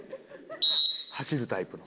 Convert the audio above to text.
走るタイプの。